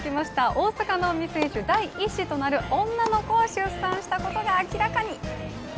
大坂なおみ選手、第一子となる女の子を出産したことが明らかに。